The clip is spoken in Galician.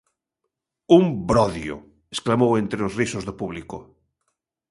Un brodio!, exclamou entre os risos do público.